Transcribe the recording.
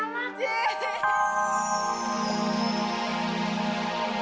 baru lari kegal lagi